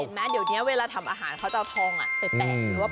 ไว้เดี๋ยวเมื่อทำอาหารเขาจะเอาทองปรุงอ่ะฟรื่อแบบ